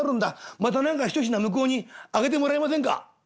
また何か一品向こうにあげてもらえませんか？」。